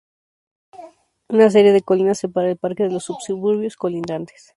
Una serie de colinas separa el parque de los suburbios colindantes.